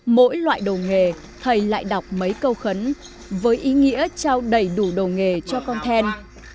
mỗi loại đồ nghề thầy lại đọc mấy câu khấn với ý nghĩa trao đầy đủ đồ nghề cho con then